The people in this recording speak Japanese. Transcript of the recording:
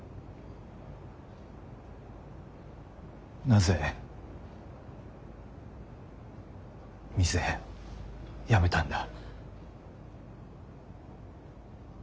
なぜ店辞めたんだ？